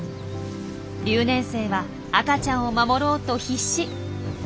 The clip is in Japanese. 留年生は赤ちゃんを守ろうと必死。